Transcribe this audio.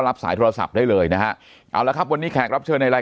รับสายโทรศัพท์ได้เลยนะฮะเอาละครับวันนี้แขกรับเชิญในไ